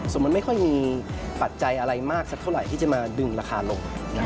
ส่วนมันไม่ค่อยมีปัจจัยอะไรมากสักเท่าไหร่ที่จะมาดึงราคาลง